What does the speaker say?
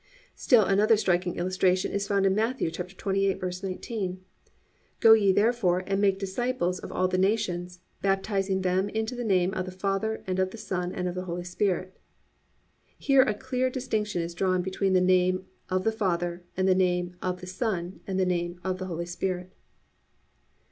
5. Still another striking illustration is found in Matthew 28:19: +"Go ye therefore, and make disciples of all the nations, baptising them into the name of the Father and of the Son and of the Holy Spirit."+ _Here a clear distinction is drawn between the name "of the Father," and the name "of the Son," and the name "of the Holy Spirit."